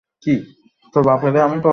ধন্যবাদ এখানে আসার জন্য।